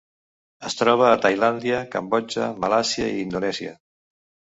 Es troba a Tailàndia, Cambodja, Malàisia i Indonèsia.